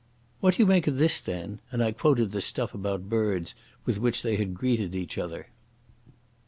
"What do you make of this, then?" and I quoted the stuff about birds with which they had greeted each other.